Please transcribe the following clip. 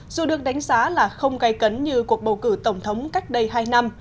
dù được đánh giá là không gây cấn như cuộc bầu cử tổng thống cách đây hai năm